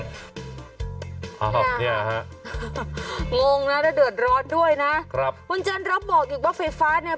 อ้าวเนี่ยฮะงงนะแล้วเดือดร้อนด้วยนะครับคุณเจนรบบอกอีกว่าไฟฟ้าเนี่ย